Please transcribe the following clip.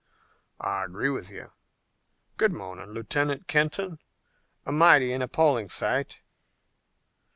"I agree with you. Good morning, Lieutenant Kenton. A mighty and appalling sight."